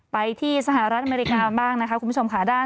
ไปที่สหรัฐอเมริกาบ้างนะคะคุณผู้ชมค่ะด้าน